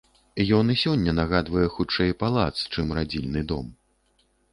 Ён і сёння нагадвае хутчэй палац, чым радзільны дом.